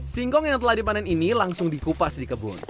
singkong yang telah dipanen ini langsung dikupas di kebun